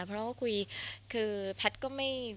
เพราะว่าคุยคือแพทย์ก็ไม่